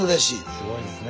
すごいですね。